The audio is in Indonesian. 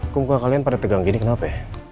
kumpulan kalian pada tegang gini kenapa ya